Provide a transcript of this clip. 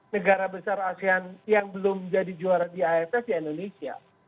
negara besar asean yang belum jadi juara di aff ya indonesia